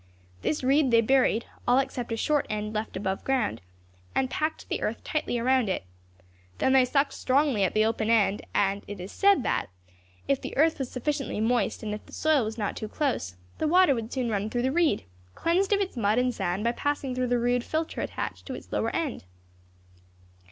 This reed they buried, all except a short end left above ground, and packed the earth tightly around it. Then they sucked strongly at the open end, and it is said that, if the earth was sufficiently moist and if the soil was not too close, the water would soon run through the reed, cleansed of its mud and sand by passing through the rude filter attached to its lower end."